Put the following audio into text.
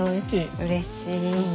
うれしい。